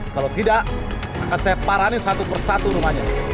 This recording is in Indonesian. kalau tidak akan saya parani satu persatu rumahnya